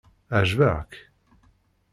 Ɛejbeɣ-k?